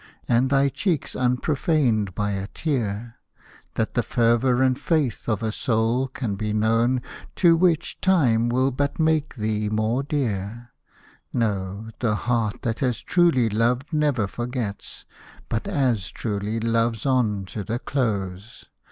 And thy cheeks unprofaned by a tear, That the fervour and faith of a soul can be known. To which time will but make thee more dear ; No, the heart that has truly loved never forgets, But as truly loves on to the close.